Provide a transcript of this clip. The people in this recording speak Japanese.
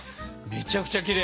めちゃくちゃきれい。